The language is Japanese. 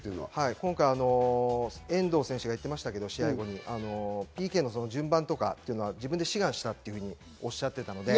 今回、遠藤選手が言ってましたが、試合後にＰＫの順番とかっていうのは自分で志願したというふうにおっしゃってたので。